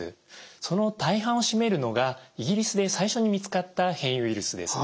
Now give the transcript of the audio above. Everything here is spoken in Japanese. その大半を占めるのがイギリスで最初に見つかった変異ウイルスです。